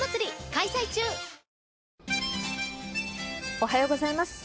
おはようございます。